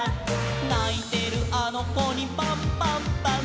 「ないてるあのこにパンパンパン」